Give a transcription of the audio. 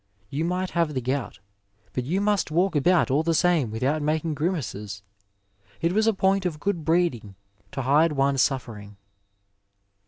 Ton might have the gout, but you must walk about all the same without making grimaces. It was a point of good breeding to hide one's sufiering."